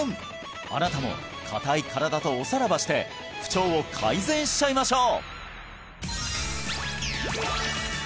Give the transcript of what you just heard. あなたも硬い身体とおさらばして不調を改善しちゃいましょう！